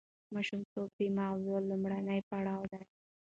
ماشومتوب د ماغزو لومړنی پړاو دی.